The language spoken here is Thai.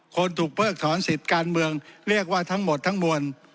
คนถูกเพิกถอนสิทธิ์การเมืองเรียกว่าทั้งหมดทั้งมวล